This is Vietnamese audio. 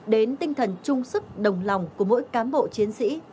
đến tinh thần trung sức đồng lòng của mỗi cán bộ chiến sĩ